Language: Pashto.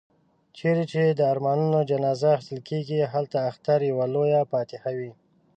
چيري چي د ارمانونو جنازې اخيستل کېږي، هلته اختر يوه لويه فاتحه وي.